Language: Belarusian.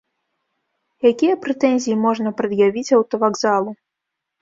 Якія прэтэнзіі можна прад'явіць аўтавакзалу?